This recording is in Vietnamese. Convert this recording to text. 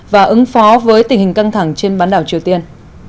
và ứng phó với tình hình căng thẳng trên bán đảo triều tiên